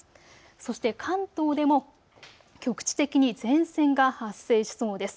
そして関東でも局地的に前線が発生しそうです。